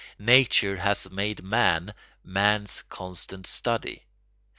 Nature has made man man's constant study.